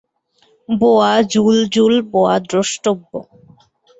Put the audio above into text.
বোয়া, জুল জুল বোয়া দ্রষ্টব্য।